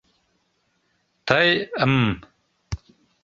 Тый М.